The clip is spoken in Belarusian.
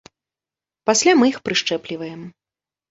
Пасля мы іх прышчэпліваем.